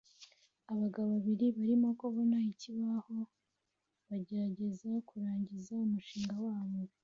Abagabo babiri barimo kubona ikibaho bagerageza kurangiza umushinga wabo